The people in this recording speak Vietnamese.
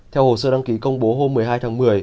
theo hồ sơ đăng ký công bố hôm một mươi hai tháng một mươi